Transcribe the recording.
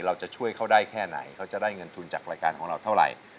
เราจะช่วยเขาได้แค่ไหนเขาจะได้เงินทุนจากรายการของเราเท่าไหร่